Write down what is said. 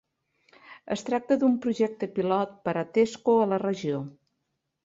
Es tracta d'un projecte pilot per a Tesco a la regió.